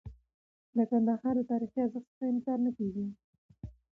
د کندهار د تاریخي ارزښت څخه انکار نه کيږي.